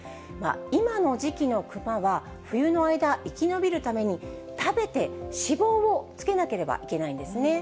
今の時期のクマは、冬の間、生き延びるために、食べて脂肪をつけなければいけないんですね。